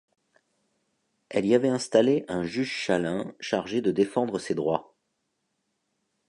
Elle y avait installé un juge-châlain chargé de défendre ses droits.